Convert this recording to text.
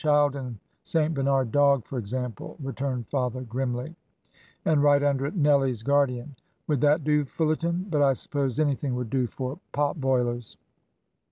'"Child and St. Bernard Dog," for example,' returned father, grimly, 'and write under it, "Nellie's Guardian." Would that do, Fullarton? But I suppose anything would do for pot boilers.'"